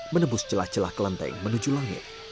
menebus celah celah kelenteng menuju langit